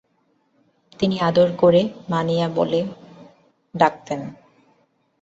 তিনি আদর করে মনিয়া বলে ডাকতেন।